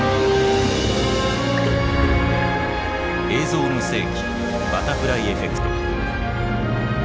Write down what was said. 「映像の世紀バタフライエフェクト」。